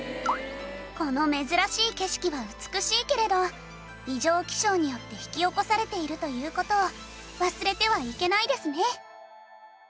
この珍しい景色は美しいけれど異常気象によって引き起こされているという事を忘れてはいけないですね。